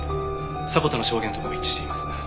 迫田の証言とも一致しています。